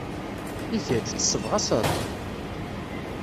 I kecc, tessebɣaseḍ-t?